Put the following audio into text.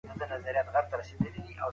ښځه باید د خپل خاوند سره ادب ولري.